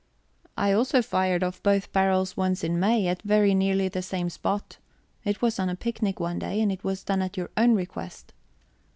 "I also fired off both barrels once in May, at very nearly the same spot. It was on a picnic one day. And it was done at your own request."